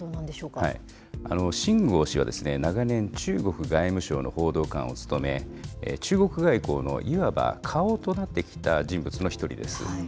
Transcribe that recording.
秦剛氏は、長年、中国外務省の報道官を務め、中国外交のいわば顔となってきた人物の一人です。